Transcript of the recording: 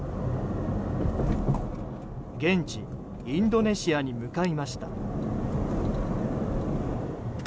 現地インドネシアに向かいました。